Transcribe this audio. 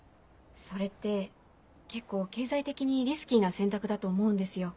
それって結構経済的にリスキーな選択だと思うんですよ。